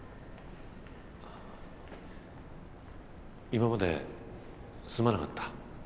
今まですまなかった。